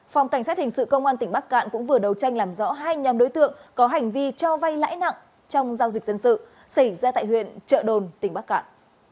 phòng cảnh sát hình sự công an tỉnh bắc cạn cũng vừa đầu tranh làm rõ hai nhóm đối tượng có hành vi cho vay lãi nặng trong giao dịch dân sự xảy ra tại huyện trợ đồn tỉnh bắc cạn